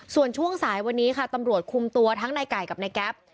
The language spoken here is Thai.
ส่วนช่วงสายวันนี้ค่ะตำรวจคุมตัวทั้งในไก่กับนายแก๊ป